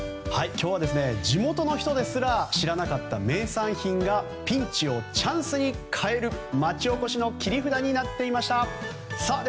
今日は地元の人ですら知らなかった名産品がピンチをチャンスに変える町おこしの切り札になっていました。